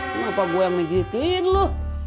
kenapa gue yang pijetin lo